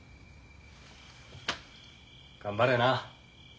頑張れな。